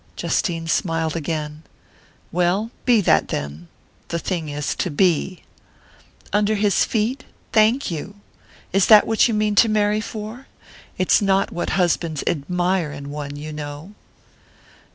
Justine smiled again. "Well be that then! The thing is to be." "Under his feet? Thank you! Is that what you mean to marry for? It's not what husbands admire in one, you know!"